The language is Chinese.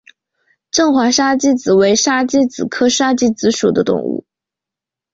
正环沙鸡子为沙鸡子科沙子鸡属的动物。